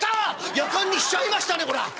「やかんにしちゃいましたねこらあ」。